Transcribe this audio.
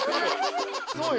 そうよ。